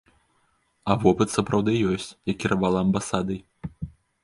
А вопыт сапраўды ёсць, я кіравала амбасадай.